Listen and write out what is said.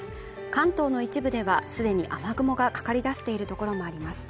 関東の一部ではすでに雨雲がかかりだしている所もあります